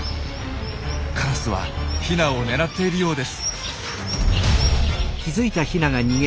カラスはヒナを狙っているようです。